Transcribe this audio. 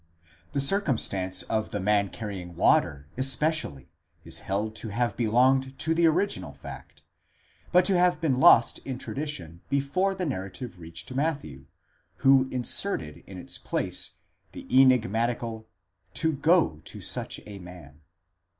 6 The circumstance of the man carrying water, especially, is held to have belonged to the original fact, but to have been lost in tradition before the narrative reached Matthew, who inserted in its place the enigmatical ὑπάγετε πρὸς τὸν δεῖνα, go to such a man.